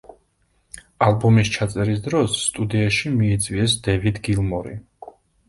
ალბომის ჩაწერის დროს სტუდიაში მიიწვიეს დევიდ გილმორი.